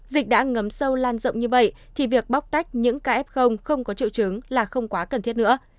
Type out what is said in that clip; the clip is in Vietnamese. dịch đã ngấm sâu lan rộng như vậy thì việc bóc tách những kf không có triệu chứng là không quá cần thiết nữa